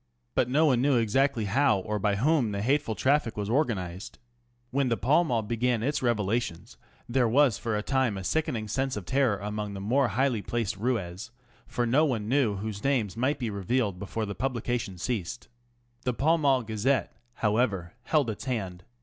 But no one knew exactly how or by whom the hateful traffic was organised. When the Pall Mall began its revelations there was for a time a sickening sense of terror among the more highly placed routs, for no one knew whose names might be revealed before the publication ceased. The Pall Mall Gazette^ however, held its hand.